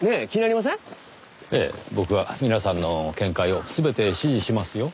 ええ僕は皆さんの見解を全て支持しますよ。